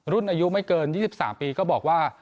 รุ่นอายุไม่เกิน๒๓ปีก็บอกว่า